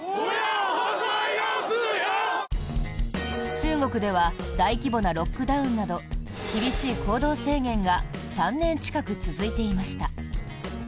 中国では大規模なロックダウンなど厳しい行動制限が３年近く続いていました。